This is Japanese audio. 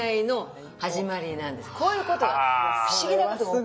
こういうことが不思議なことが起こる。